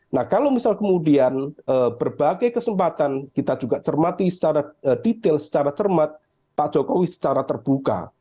nah kalau misal kemudian berbagai kesempatan kita juga cermati secara detail secara cermat pak jokowi secara terbuka